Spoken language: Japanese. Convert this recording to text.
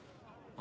あ？